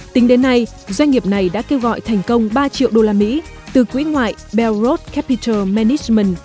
tính đến nay doanh nghiệp này đã kêu gọi thành công ba triệu usd từ quỹ ngoại bell road capital management